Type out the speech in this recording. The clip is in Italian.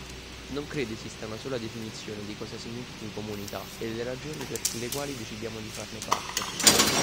Non credo esista una sola definizione di cosa significhi comunità e le ragioni per le quali decidiamo di farne parte